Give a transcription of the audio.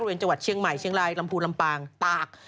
จังหวัดเชียงใหม่เชียงรายลำพูนลำปางตาก